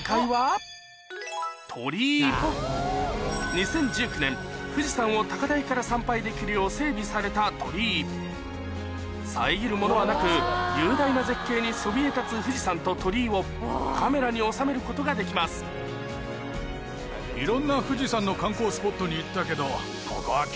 ２０１９年富士山を高台から参拝できるよう整備された鳥居遮るものはなく雄大な絶景にそびえ立つ富士山と鳥居をカメラに収めることができますけど。